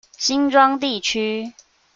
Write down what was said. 新莊地區